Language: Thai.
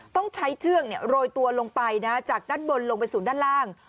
ต้องใช้เชือกโรยตัวลงไปจากด้านบนลงไปสู่ด้านล่าง